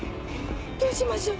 どうしましょう。